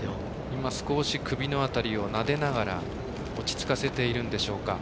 今、少し首の辺りをなでながら落ち着かせているんでしょうか。